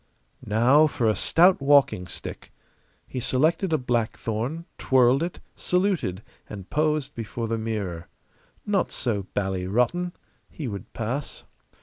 Now for a stout walking stick. He selected a blackthorn, twirled it, saluted, and posed before the mirror. Not so bally rotten. He would pass.